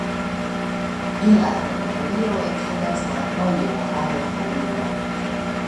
En la teritorio ekfluas la rojo Arevalillo.